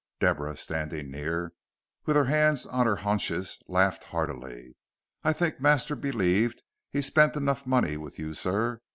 Deborah, standing near, with her hands on her haunches, laughed heartily. "I think master believed he's spent enough money with you, sir.